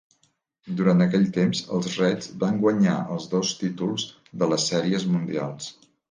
Durant aquell temps, els Reds van guanyar els dos títols de les Sèries Mundials.